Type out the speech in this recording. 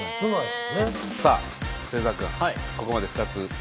さあ末澤君ここまで２つね。